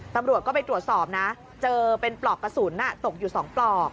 ตำรวจก็ไปตรวจสอบนะเจอเป็นปลอกกระสุนตกอยู่๒ปลอก